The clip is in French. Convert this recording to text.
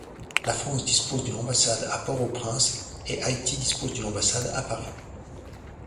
La France dispose d'une ambassade à Port-au-Prince et Haïti dispose d'une ambassade à Paris.